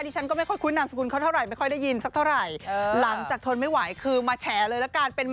จะเป็นอย่างไรจะแซ่บขนาดไหน